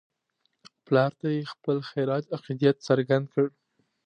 پلار ته مې یې خپل خراج عقیدت څرګند کړ.